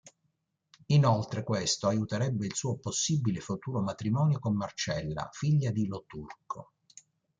Inoltre questo aiuterebbe il suo possibile futuro matrimonio con Marcella, figlia di Lo Turco.